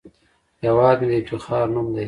هیواد مې د افتخار نوم دی